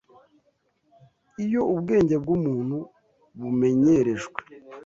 Iyo ubwenge bw’umuntu bumenyerejwe